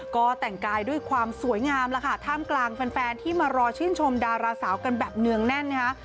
ก็แต่งกายด้วยความสวยงามแล้วค่ะท่ามกลางแฟนที่มารอชื่นชมดาราสาวกันแบบเนืองแน่นนะคะ